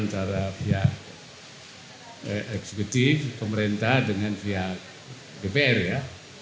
antara pihak eksekutif pemerintah dengan pihak dpr ya